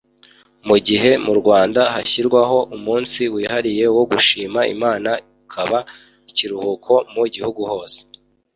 Mu gihe mu Rwanda hashyirwaho umunsi wihariye wo gushima Imana ukaba ikiruhuko mu gihugu hose